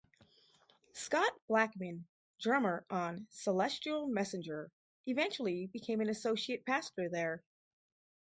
Scott Blackman, drummer on "Celestial Messenger", eventually became an associate pastor there.